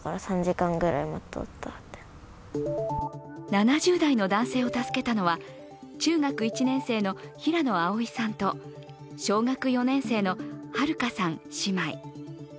７０代の男性を助けたのは中学１年生の平野蒼依さんと小学４年生の遥花さん姉妹。